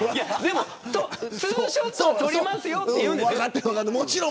ツーショット撮りますよと言うんですよ。